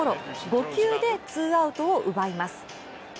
５球でツーアウトを奪います。